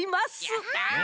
やった。